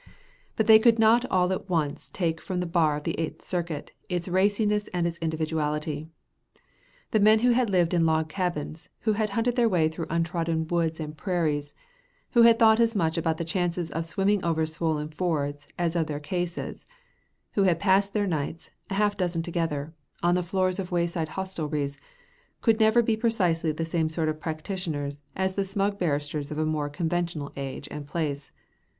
But they could not all at once take from the bar of the Eighth Circuit its raciness and its individuality. The men who had lived in log cabins, who had hunted their way through untrodden woods and prairies, who had thought as much about the chances of swimming over swollen fords as of their cases, who had passed their nights a half dozen together on the floors of wayside hostelries, could never be precisely the same sort of practitioners as the smug barristers of a more conventional age and place.